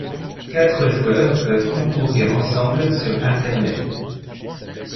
Quatre joueurs peuvent concourir ensemble sur Internet.